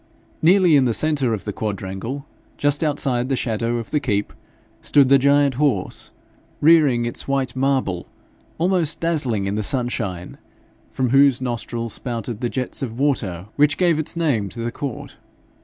Nearly in the centre of the quadrangle, just outside the shadow of the keep, stood the giant horse, rearing in white marble, almost dazzling in the sunshine, from whose nostrils spouted the jets of water which gave its name to the court.